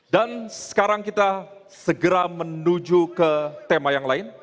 dan sekarang kita segera menuju ke tema yang lain